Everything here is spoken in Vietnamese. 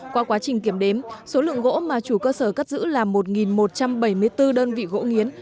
qua quá trình kiểm đếm số lượng gỗ mà chủ cơ sở cất giữ là một một trăm bảy mươi bốn đơn vị gỗ nghiến